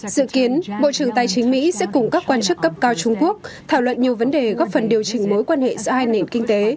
dự kiến bộ trưởng tài chính mỹ sẽ cùng các quan chức cấp cao trung quốc thảo luận nhiều vấn đề góp phần điều chỉnh mối quan hệ giữa hai nền kinh tế